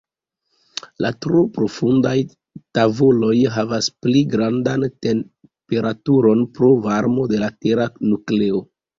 La tro profundaj tavoloj havas pli grandan temperaturon pro varmo de la tera nukleo.